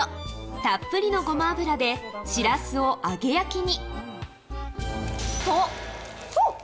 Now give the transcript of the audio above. たっぷりのごま油でシラスを揚げ焼きに。